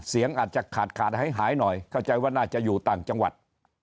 อาจจะขาดขาดหายหน่อยเข้าใจว่าน่าจะอยู่ต่างจังหวัด